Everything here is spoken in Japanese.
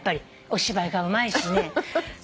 お芝居がうまいしね。